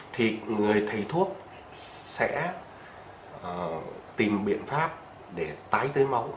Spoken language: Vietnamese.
thì người thầy thuốc sẽ tìm biện pháp để tái tưới máu